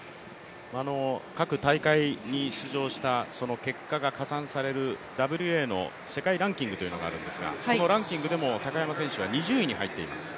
各大会に出場した結果が加算されるＷＡの世界ランキングというのがあるんですがそのランキングでも高山選手は２０位に入ってきています。